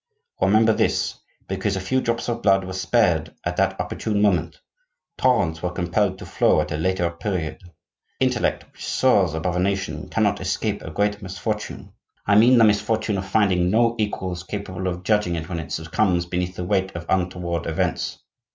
Remember this: because a few drops of blood were spared at that opportune moment, torrents were compelled to flow at a later period. The intellect which soars above a nation cannot escape a great misfortune; I mean the misfortune of finding no equals capable of judging it when it succumbs beneath the weight of untoward events.